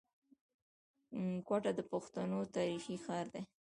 کوټه د پښتنو تاريخي ښار دی.